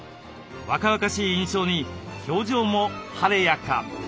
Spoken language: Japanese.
若々しい印象に表情も晴れやか！